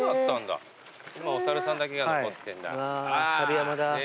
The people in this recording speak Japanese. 今お猿さんだけが残ってんだ。